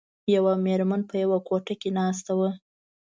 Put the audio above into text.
یوه میرمن په یوه کوټه کې ناسته وه.